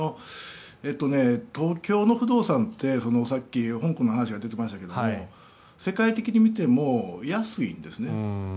東京の不動産ってさっき、香港の話が出てましたが世界的に見ても安いんですね。